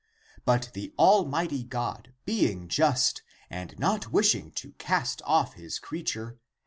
^" 12. But the almighty God, being just, and not wishing to cast off his creature